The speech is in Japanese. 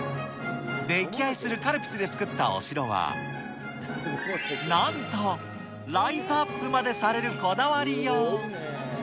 溺愛するカルピスで作ったお城は、なんとライトアップまでされるこだわりよう。